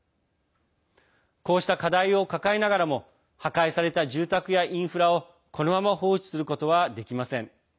こうした課題を抱えながらも破壊された住宅やインフラをこのまま放置することはできません。